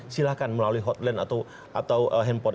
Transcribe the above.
silahkan melalui hotline atau handphone